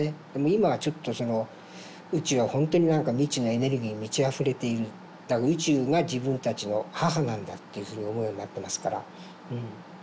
今はちょっと宇宙はほんとに何か未知のエネルギーに満ちあふれているだから宇宙が自分たちの母なんだというふうに思うようになってますから。